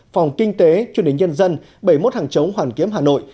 phòng kinh tế truyền hình nhân dân bảy mươi một hàng chống hoàn kiếm hà nội